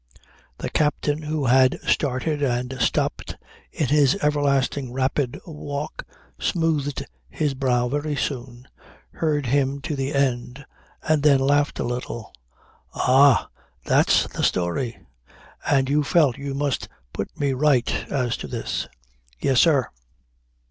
The captain who had started and stopped in his everlasting rapid walk smoothed his brow very soon, heard him to the end and then laughed a little. "Ah! That's the story. And you felt you must put me right as to this." "Yes, sir."